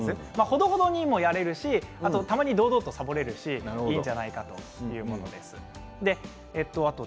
ほどほどにやれるしたまに堂々とさぼれるしということで、いいんじゃないかということでした。